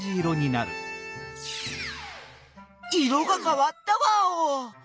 色がかわったワオ！